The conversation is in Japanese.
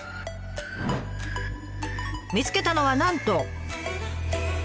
見つけたのはなんと。